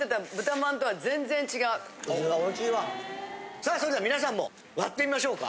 さあそれでは皆さんも割ってみましょうか。